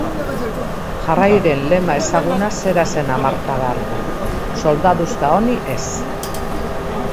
Jarrairen lema ezaguna zera zen hamarkada hartan: Soldaduska honi ez.